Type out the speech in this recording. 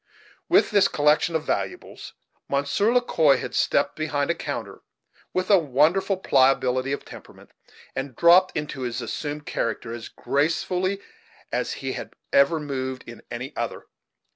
With this collection of valuables, Monsieur Le Quoi had stepped behind a counter, and, with a wonderful pliability of temperament, had dropped into his assumed character as gracefully as he had ever moved in any other.